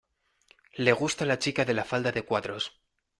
Le gusta la chica de la falda de cuadros.